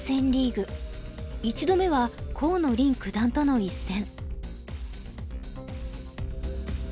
１度目は河野臨九段との一戦。